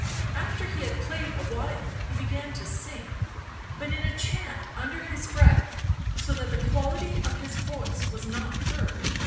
After he had played a while he began to sing, but in a chant under his breath, so that the quality of his voice was not heard.